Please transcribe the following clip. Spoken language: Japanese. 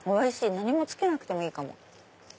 何もつけなくてもいいかも。